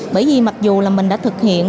bởi vì mặc dù là mình đã thực hiện